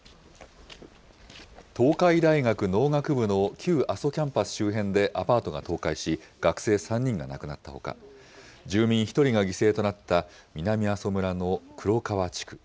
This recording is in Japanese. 東海大学農学部の旧阿蘇キャンパス周辺でアパートが倒壊し、学生３人が亡くなったほか、住民１人が犠牲となった南阿蘇村のくろかわ地区。